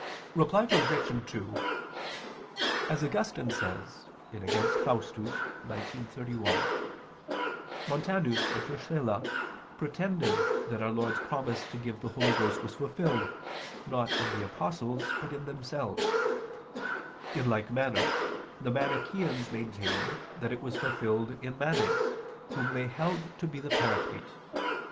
Reply Obj. 2: As Augustine says (Contra Faust. xix, 31), Montanus and Priscilla pretended that Our Lord's promise to give the Holy Ghost was fulfilled, not in the apostles, but in themselves. In like manner the Manicheans maintained that it was fulfilled in Manes whom they held to be the Paraclete.